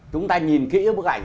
chúng ta nhìn kỹ bức ảnh